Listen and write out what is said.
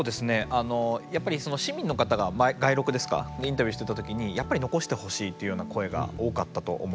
あのやっぱり市民の方が街録ですかでインタビューしてた時にやっぱり残してほしいというような声が多かったと思います。